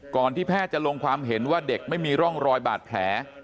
ที่แพทย์จะลงความเห็นว่าเด็กไม่มีร่องรอยบาดแผล